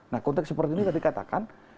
nah konteks seperti ini tadi katakan